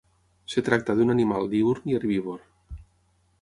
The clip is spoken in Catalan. Es tracta d'un animal diürn i herbívor.